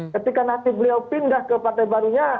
ketika nanti beliau pindah ke partai barunya